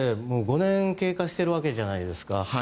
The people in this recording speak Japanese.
もう５年経過しているわけじゃないですか。